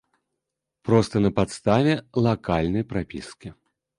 Проста на падставе лакальнай прапіскі.